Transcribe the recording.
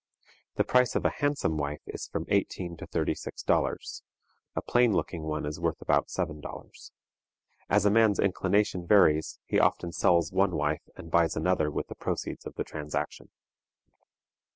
The price of a handsome wife is from eighteen to thirty six dollars; a plain looking one is worth about seven dollars. As a man's inclination varies, he often sells one wife, and buys another with the proceeds of the transaction.